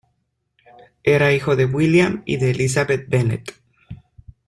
Era hijo de William y de Elizabeth Bennett.